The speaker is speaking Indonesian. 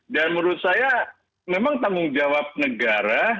dan menurut saya memang tanggung jawab negara